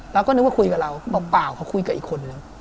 เราก็นึกว่าคุยกับเราบอกเปล่าเขาคุยกับอีกคนนึงแล้ว